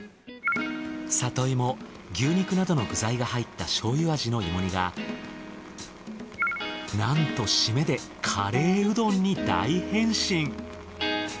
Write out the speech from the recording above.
里芋牛肉などの具材が入った醤油味の芋煮がなんとシメでカレーうどんに大変身。